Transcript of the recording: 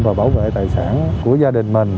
và bảo vệ tài sản của gia đình mình